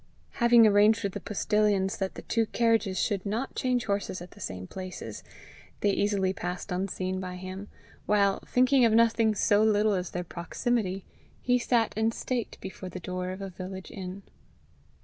Having arranged with the postilions that the two carriages should not change horses at the same places, they easily passed unseen by him, while, thinking of nothing so little as their proximity, he sat in state before the door of a village inn.